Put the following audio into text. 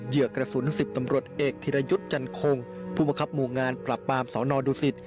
เหยื่อกระสุน๑๐ตำรวจเอกธิรยุทธ์จันคงผู้มังคับหมู่งานปรับปามสนดูสิต